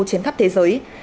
chiến khắp thế giới